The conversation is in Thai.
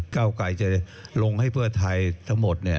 ก้าวไกลจะลงให้เพื่อไทยทั้งหมดเนี่ย